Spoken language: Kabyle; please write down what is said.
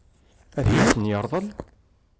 Ad iyi-ten-yeṛḍel?